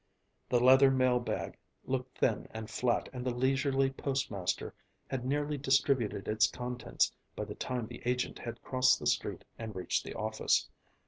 The leather mail bag looked thin and flat and the leisurely postmaster had nearly distributed its contents by the time the agent had crossed the street and reached the office.